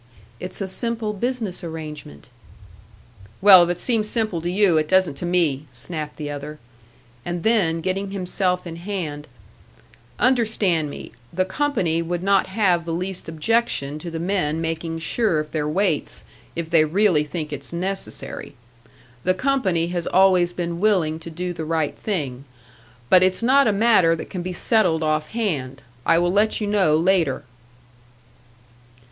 It's a simple business arrangement " "Well, if it seems simple to you, it doesn't to me," snapped the other. And then, getting himself in hand, "Understand me, the company would not have the least objection to the men making sure of their weights, if they really think it's necessary. The company has always been willing to do the right thing. But it's not a matter that can be settled off hand. I will let you know later."